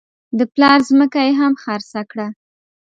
د پلار ځمکه یې هم خرڅه کړه.